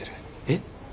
えっ？